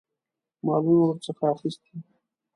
مالونه ورڅخه اخیستي.